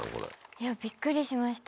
いやびっくりしました。